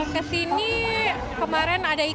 kesini kemarin ada impian